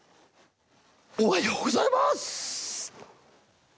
おはようございます。